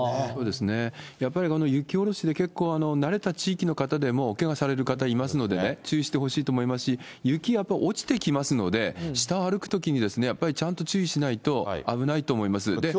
そうですね、やっぱり雪下ろしで結構慣れた地域の方でもおけがされる方いますので、注意してほしいと思いますし、雪、やっぱり落ちてきますので、下歩くときに、やっぱりちゃんと注意しないと、危ないと思います。